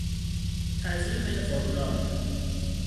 تعظیم غرا